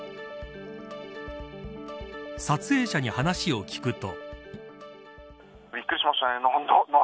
撮影者に話を聞くと。